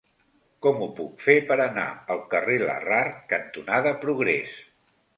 Com ho puc fer per anar al carrer Larrard cantonada Progrés?